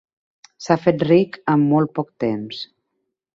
S'ha fet ric en molt poc temps.